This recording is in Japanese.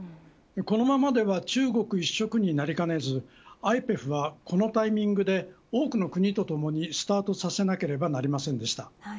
このままでは中国一色になりかねずＩＰＥＦは、このタイミングで多くの国とともにスタートさせなければなりませんでした。